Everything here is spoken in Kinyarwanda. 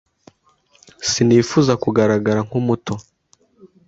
sinifuza kugaragara nkumuto.